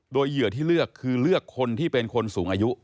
โดยเหยื่อที่เลือกคือเลือกคนที่เป็นคนสูงอายุ